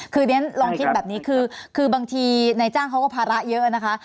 คือเรียนลองคิดแบบนี้คือบางทีในจ้างเขาก็ภาระเยอะนะคะ